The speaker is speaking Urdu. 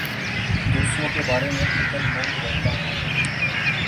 دوسروں کے بارے میں فکر مند رہتا ہوں